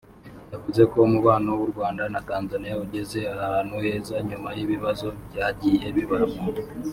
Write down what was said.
yavuze ko umubano w’u Rwanda na Tanzania ugeze ahantu heza nyuma y’ibibazo byagiye bibamo